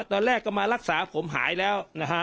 ตอนแรกก็มารักษาผมหายแล้วนะฮะ